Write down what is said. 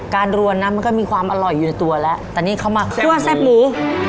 รวนนะมันก็มีความอร่อยอยู่ในตัวแล้วแต่นี่เขามาคั่วแซ่บหมู